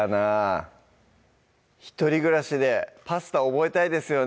一人暮らしでパスタ覚えたいですよね